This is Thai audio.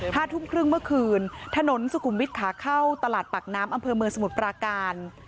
ห้าทุ่มครึ่งเมื่อคืนถนนสุขุมวิทย์ขาเข้าตลาดปากน้ำอำเภอเมืองสมุทรปราการ